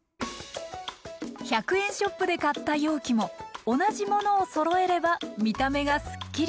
１００円ショップで買った容器も同じものをそろえれば見た目がすっきり。